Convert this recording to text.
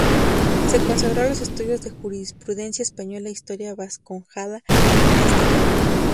Se consagró a los estudios de Jurisprudencia española e Historia vascongada y castellana.